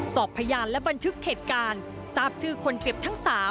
สอบพยานและบันทึกเหตุการณ์ทราบชื่อคนเจ็บทั้ง๓